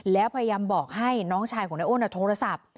แล้วพยายามบอกให้น้องชายของนายอ้นโทรศัพท์